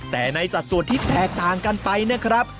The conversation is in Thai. แต่ในสัดส่วนที่แตกต่างกันไปนะครับ